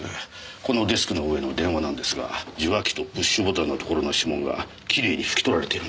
このデスクの上の電話なんですが受話器とプッシュボタンのところの指紋がきれいに拭き取られているんです。